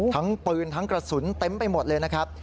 ทั้งปืนทั้งกระสุนเต็มไปหมดเลยนะครับ